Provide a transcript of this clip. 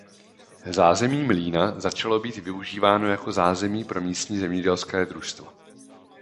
Zázemí mlýna začalo být využíváno jako zázemí pro místní zemědělské družstvo.